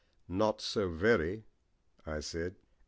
"Not so very," I said.